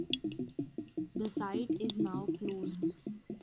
The site is now closed.